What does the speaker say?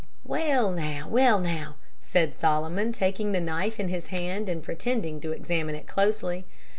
"Well, now, well, now," said Solomon, taking the knife in his hand and pretending to examine it closely.